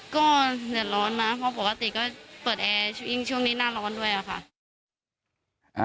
ก็เดือดร้อนนะเพราะปกติก็เปิดแอร์ยิ่งช่วงนี้หน้าร้อนด้วยอะค่ะ